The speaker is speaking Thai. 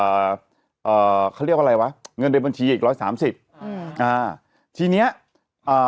เอ่อเอ่อเขาเรียกว่าอะไรวะเงินในบัญชีอีกร้อยสามสิบอืมอ่าทีเนี้ยอ่า